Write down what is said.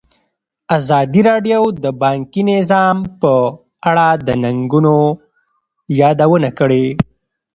ازادي راډیو د بانکي نظام په اړه د ننګونو یادونه کړې.